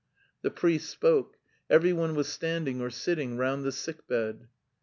The priest spoke; every one was standing or sitting round the sick bed.